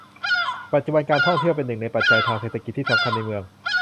ปัจจุบัน การท่องเที่ยวเป็นหนึ่งในปัจจัยทางเศรษฐกิจที่สำคัญในเมือง